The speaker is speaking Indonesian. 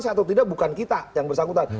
atau tidak bukan kita yang bersangkutan